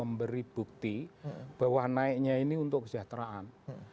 memberi bukti bahwa naiknya ini untuk kesejahteraan